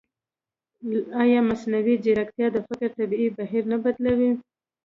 ایا مصنوعي ځیرکتیا د فکر طبیعي بهیر نه بدلوي؟